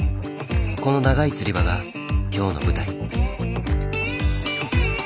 この長い釣り場が今日の舞台。